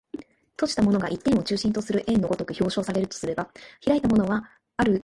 閉じたものが一点を中心とする円の如く表象されるとすれば、開いたものは到る処中心を有する円の如く表象されるであろう。